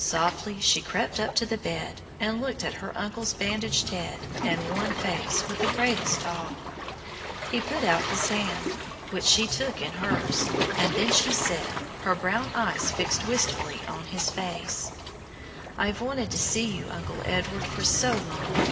Softly she crept up to the bed and looked at her uncle's bandaged head and worn face with the greatest awe. He put out his hand, which she took in hers, and then she said, her brown eyes fixed wistfully on his face, "I've wanted to see you, Uncle Edward, for so long.